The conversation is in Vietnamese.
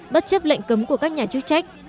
bất chấp lệnh cấm của các nhà chức trách